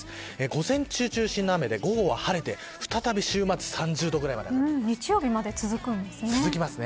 午前中中心の雨で午後は晴れて再び週末、３０度ぐらいまで日曜日まで続きます。